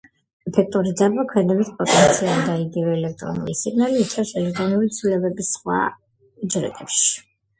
ეფექტური ძაბვა, ქმედების პოტენციალი ან იგივე „ელექტრული სიგნალი“ იწვევს ელექტრულ ცვლილებებს სხვა უჯრედში.